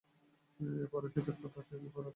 এই ফরাসিদের কথা কী আর বলব!